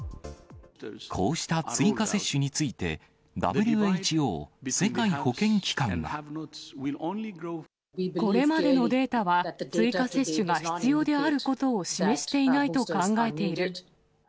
こうした追加接種について、これまでのデータは、追加接種が必要であることを示していないと考えている。